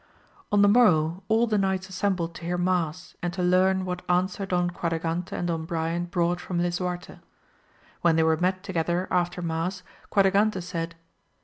|N the morrow all the knights assembled to hear mass and to learn what answer Don Quadragante and Don Brian brought from Lisuarte. When they were met together after mass, Quadragante said.